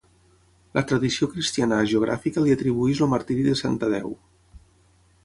La tradició cristiana hagiogràfica li atribueix el martiri de sant Tadeu.